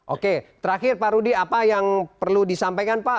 oke terakhir pak rudi apa yang perlu disampaikan pak